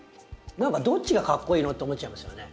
何かどっちがかっこイイのって思っちゃいますよね。